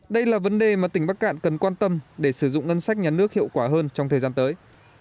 đây là vấn đề mà tỉnh bắc cạn cần quan tâm để sử dụng ngân sách nhà nước hiệu quả hơn trong thời gian tới